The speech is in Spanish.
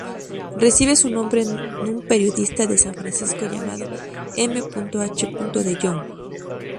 Recibe su nombre de un periodista de San Francisco llamado M. H. de Young.